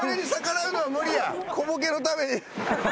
小ボケのために。